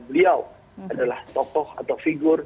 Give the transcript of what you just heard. beliau adalah tokoh atau figur